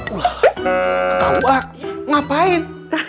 wah kuak ngapain